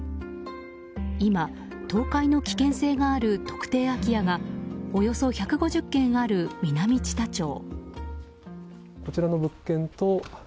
今、倒壊の危険性がある特定空き家がおよそ１５０軒ある南知多町。